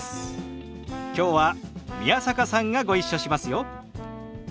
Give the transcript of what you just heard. きょうは宮坂さんがご一緒しますよ。